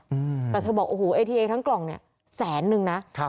อืมแต่เธอบอกโอ้โหเอทีเอทั้งกล่องเนี้ยแสนนึงนะครับ